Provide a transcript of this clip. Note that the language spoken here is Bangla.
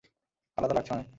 আলাদা লাগছে অনেক।